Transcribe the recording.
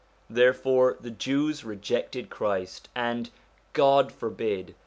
Therefore the Jews rejected Christ, and, God forbid